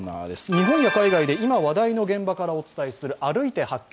日本や海外で今話題の現場からお伝えする「歩いて発見！